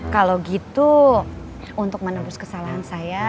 kalau gitu untuk menembus kesalahan saya